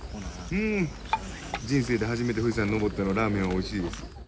人生で初めて富士山登ってのラーメンはおいしいです。